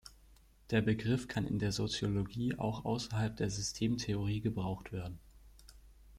Der Begriff kann in der Soziologie auch außerhalb der Systemtheorie gebraucht werden.